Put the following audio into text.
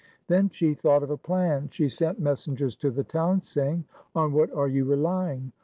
Then she thought of a plan. She sent messen gers to the town saying, 0n what are you relying?